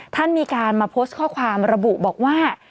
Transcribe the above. ท่านมีการมาโพสต์ข้อความระบุบอกว่า